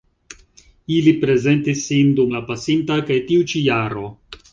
Ili prezentis sin dum la pasinta kaj tiu ĉi jaro.